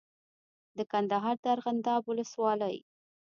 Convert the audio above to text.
د کندهار د ارغنداب ولسوالۍ